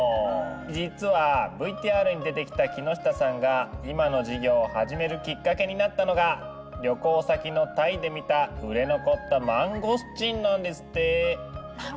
実はＶＴＲに出てきた木下さんが今の事業を始めるきっかけになったのが旅行先のタイで見た売れ残ったマンゴスチンなんですって。